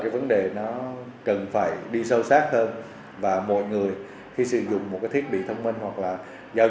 vì nó cần phải đi sâu sắc hơn và mọi người khi sử dụng một cái thiết bị thông minh hoặc là giao